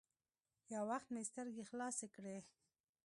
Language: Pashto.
يو وخت مې سترګې خلاصې کړې.